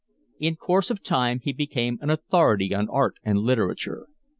In course of time he became an authority on art and literature.